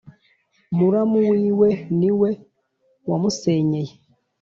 Muramu wiwe niwe wamusenyeye